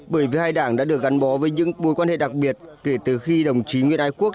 bởi vì hai đảng đã được gắn bó với những mối quan hệ đặc biệt kể từ khi đồng chí nguyễn ái quốc